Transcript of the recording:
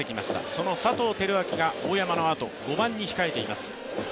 その佐藤輝明が大山のあと、５番に控えています。